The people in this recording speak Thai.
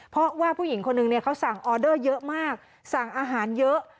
เพราะว่าผู้หญิงคนหนึ่งเขาสั่งออเดอร์เยอะมากสั่งอาหารเยอะ